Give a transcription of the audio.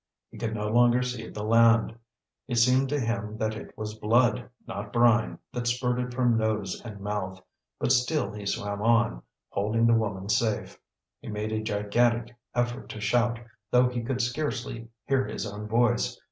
He could no longer see the land; it seemed to him that it was blood, not brine, that spurted from nose and mouth; but still he swam on, holding the woman safe. He made a gigantic effort to shout, though he could scarcely hear his own voice.